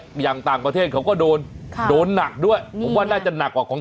อย่างต่างประเทศเขาก็โดนค่ะโดนหนักด้วยผมว่าน่าจะหนักกว่าของ